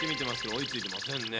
追いついてませんね。